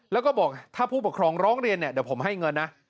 แล้วก็บอกถ้าผู้ปกครองร้องเรียนเนี่ยเดี๋ยวผมให้เงินนะ